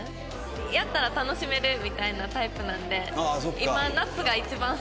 やったら楽しめるみたいなタイプなので今夏が一番好きです。